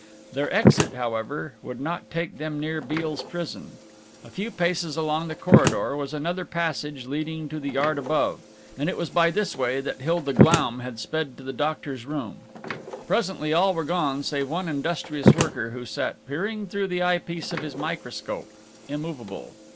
Their exit, however, would not take them near Beale's prison. A few paces along the corridor was another passage leading to the yard above, and it was by this way that Hilda Glaum had sped to the doctor's room. Presently all were gone save one industrious worker, who sat peering through the eye piece of his microscope, immovable.